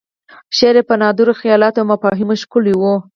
شعر یې په نادرو خیالاتو او مفاهیمو ښکلی و.